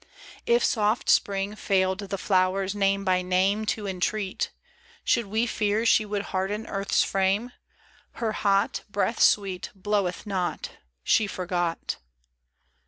If soft spring failed the flowers name by name To entreat, Should we fear she would harden earth's frame ? Her hot Breath sweet Bloweth not ; She forgot.